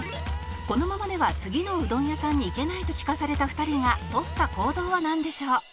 「このままでは次のうどん屋さんに行けないと聞かされた２人がとった行動はなんでしょう？」